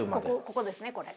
ここですねこれ。